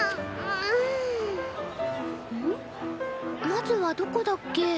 まずはどこだっけ？